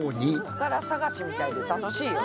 宝探しみたいで楽しいよね。